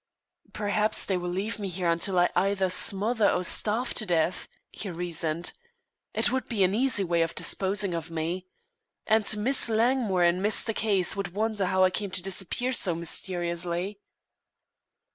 "Perhaps they will leave me here until I either smother or starve to death," he reasoned. "It would be an easy way of disposing of me. And Miss Langmore and Mr. Case would wonder how I came to disappear so mysteriously."